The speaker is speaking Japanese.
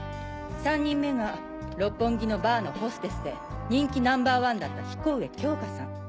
３人目が六本木のバーのホステスで人気ナンバーワンだった彦上京華さん。